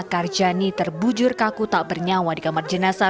karjani terbujur kaku tak bernyawa di kamar jenazah